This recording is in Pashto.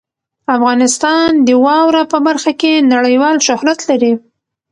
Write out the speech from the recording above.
افغانستان د واوره په برخه کې نړیوال شهرت لري.